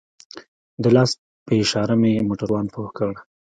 د لاس په اشاره مې موټروان پوه کړ.